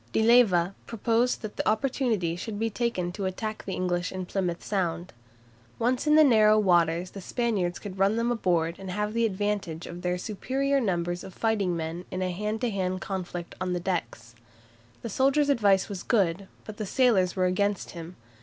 De Leyva proposed that the opportunity should be taken to attack the English in Plymouth Sound. Once in the narrow waters the Spaniards could run them aboard and have the advantage of their superior numbers of fighting men in a hand to hand conflict on the decks. The soldier's advice was good, but the sailors were against him.